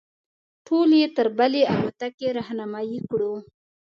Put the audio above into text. ټول یې تر بلې الوتکې رهنمایي کړو.